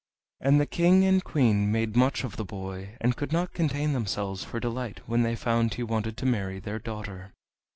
And the King and Queen made much of the boy, and could not contain themselves for delight when they found he wanted to marry their daughter.